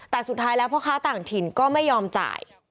แต่สุดท้ายแล้วพ่อค้าต่างถิ่นก็ไม่ยอมจ่าย